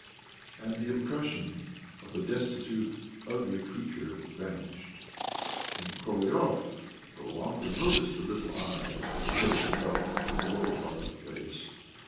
And the impression of a destitute, ugly creature vanished, and Korolyov no longer noticed the little eyes or the heavy development of the lower part of the face.